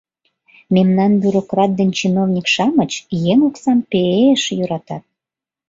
Мемнан бюрократ ден чиновник-шамыч еҥ оксам пе-эш йӧратат.